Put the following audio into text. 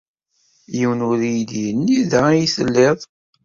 Yiwen ur iyi-d-yenni da ay telliḍ.